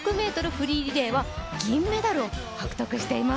フリーリレーは銀メダルを獲得しています！